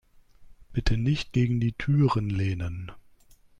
Bitte nicht gegen die Türen lehnen.